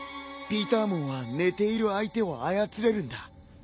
ピーターモンは寝ている相手を操れるんだ。